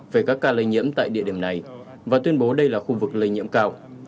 về các ca lây nhiễm tại địa điểm này và tuyên bố đây là khu vực lây nhiễm cao